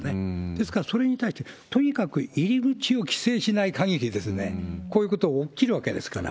ですから、それに対してとにかく入り口を規制しないかぎり、こういうことが起きるわけですから。